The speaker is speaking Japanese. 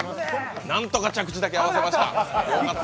何とか着地だけ合わせました。